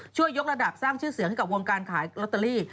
ยกระดับสร้างชื่อเสียงให้กับวงการขายลอตเตอรี่